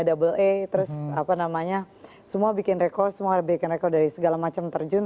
terus apa namanya semua bikin rekor semua bikin rekor dari segala macam terjun